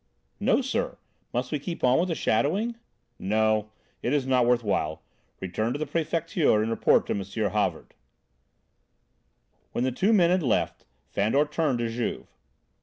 "No, sir. Must we go on with the shadowing?" "No, it is not worth while. Return to the Prefecture and report to M. Havard." When the two men had left, Fandor turned to Juve.